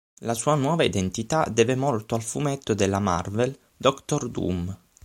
La sua nuova identità deve molto al fumetto della Marvel Doctor Doom.